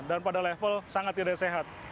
dan pada level sangat tidak sehat